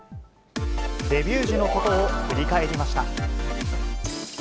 デビュー時のことを振り返りました。